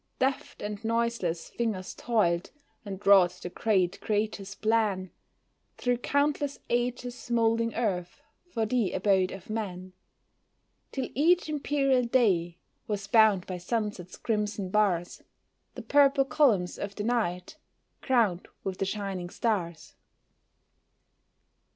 Deft and noiseless fingers toiled, and wrought the great Creator's plan, Through countless ages moulding earth for the abode of man. Till each imperial day was bound by sunset's crimson bars, The purple columns of the night crowned with the shining stars.